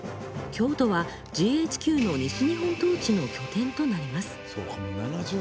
京都はＧＨＱの西日本統治の拠点となります。